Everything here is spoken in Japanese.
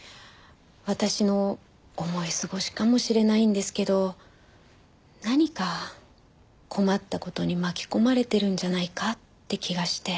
私の思い過ごしかもしれないんですけど何か困った事に巻き込まれてるんじゃないかって気がして。